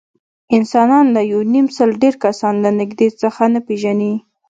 انسانان له یونیمسل ډېر کسان له نږدې څخه نه پېژني.